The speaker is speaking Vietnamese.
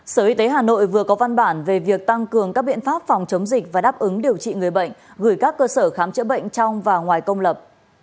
sở y tế hà nội vừa có văn bản về việc tăng cường các biện pháp phòng chống dịch và đáp ứng điều trị người bệnh gửi các cơ sở khám chữa bệnh trong và ngoài công lập